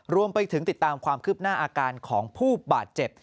รวมไปถึงติดตามความคืบหน้าอาการของผู้บาดเจ็บ